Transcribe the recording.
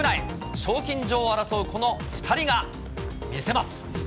賞金女王を争うこの２人が見せます。